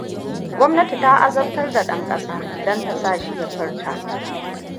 Gwamnati ta azabtar da ɗan ƙasa don ta sa shi ya furta.